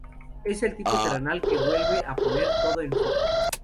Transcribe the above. Es el tipo terrenal que vuelve a poner todo en foco.